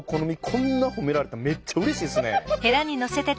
こんな褒められたらめっちゃうれしいですね。